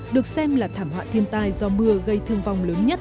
được xem là thảm họa thiên tai do mưa gây thương vong lớn nhất